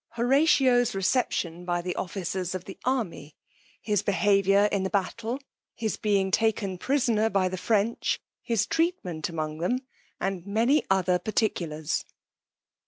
_Horatio's reception by the officers of the army; his behaviour in the battle; his being taken prisoner by the French; his treatment among them, and many other particulars.